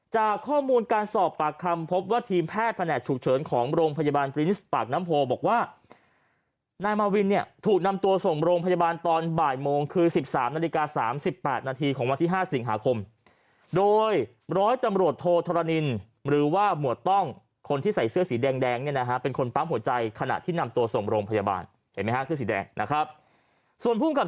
จากข้อมูลการสอบปากคำพบว่าทีมแพทย์แผนกฉุกเฉินของโรงพยาบาลปรินิสปากน้ำโพบอกว่านายมาวินเนี่ยถูกนำตัวส่งโรงพยาบาลตอนบ่ายโมงคือ๑๓นาฬิกา๓๘นาทีของวันที่๕สิงหาคมโดยร้อยตำรวจโทษธรณินหรือว่าหมวดต้องคนที่ใส่เสื้อสีแดงเนี่ยนะฮะเป็นคนปั๊มหัวใจขณะที่นำตัวส่งโรงพยาบาลเห็นไหมฮะเสื้อสีแดงนะครับส่วนภูมิกับ